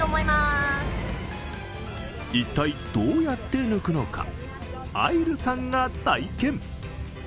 一体どうやって抜くのかあいるさんが体験。